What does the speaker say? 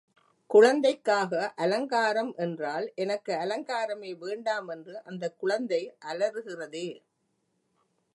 குழந்தைக்காக அலங்காரம் என்றால், எனக்கு அலங்காரமே வேண்டாம் என்று அந்தக் குழந்தை அலறுகிறதே!